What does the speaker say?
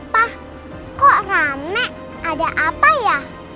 wah kok rame ada apa ya